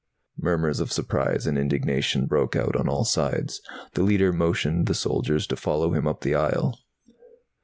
Murmurs of surprise and indignation broke out on all sides. The Leiter motioned the soldiers to follow him up the aisle.